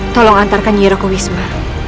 tolong antarkan yiro ke wisma